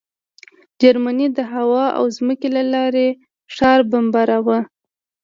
جرمني د هوا او ځمکې له لارې ښار بمباراوه